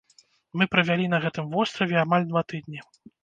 Мы правялі на гэтым востраве амаль два тыдні.